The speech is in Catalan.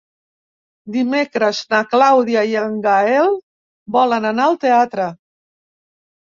Dimecres na Clàudia i en Gaël volen anar al teatre.